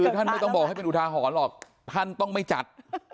คือท่านไม่ต้องบอกให้เป็นอุทาหรณ์หรอกท่านต้องไม่จัด